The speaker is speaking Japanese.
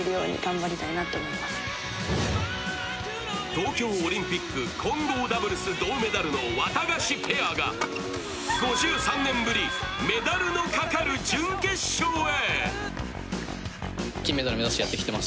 東京オリンピック、混合ダブルス銅メダルのワタガシペアが５３年ぶりメダルのかかる準決勝へ。